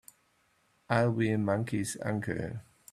I'll be a monkey's uncle!